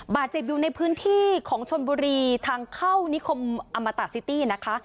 บาดเจ็บอยู่ในพื้นที่ของชนบุรีทางเข้านิคมอมตาซิตี้นะคะ